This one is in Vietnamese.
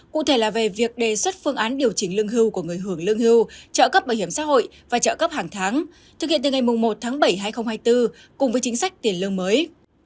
cụ thể là về việc đề xuất phương án điều chỉnh lương hưu của người hưởng lương hưu trợ cấp bảo hiểm xã hội và trợ cấp hàng tháng thực hiện từ ngày một tháng bảy hai nghìn hai mươi bốn cùng với chính sách tiền lương mới